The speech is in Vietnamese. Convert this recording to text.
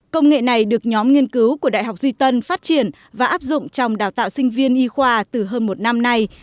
công nghệ này được nhóm nghiên cứu của đại học duy tân phát triển và áp dụng trong đào tạo sinh viên y khoa từ hơn một năm nay